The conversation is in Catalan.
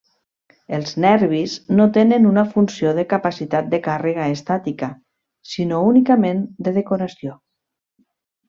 Els nervis no tenen una funció de capacitat de càrrega estàtica, sinó únicament de decoració.